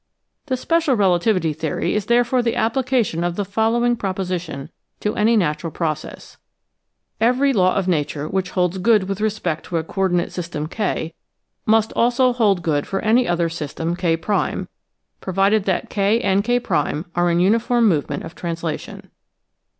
The special relativity theory is therefore the appHcation of the follow ing proposition to any natural process :—" Every law of nature which holds good with respect to a coordinate system K must also hold good for any other system K', provided that K and K' are in uniform movement of translation.